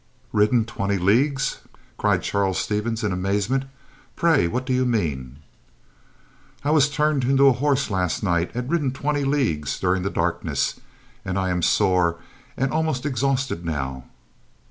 "Ridden twenty leagues?" cried Charles Stevens in amazement. "Pray what do you mean?" "I was turned into a horse last night and ridden twenty leagues during the darkness, and I am sore and almost exhausted now."